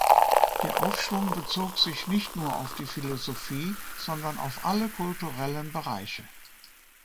Der Aufschwung bezog sich nicht nur auf die Philosophie, sondern auf alle kulturellen Bereiche.